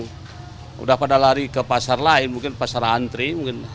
sudah pada lari ke pasar lain mungkin pasar antri